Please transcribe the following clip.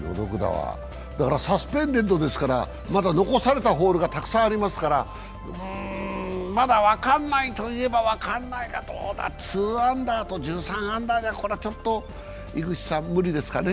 サスペンデッドですからまだ残されたホールがたくさんありますから、まだ分かんないといえば分かんないがどうだ、２アンダーと１３アンダーじゃあ、ちょっと厳しいですかね？